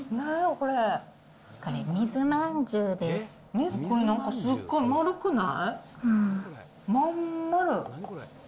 これ、なんかすっごい丸くない？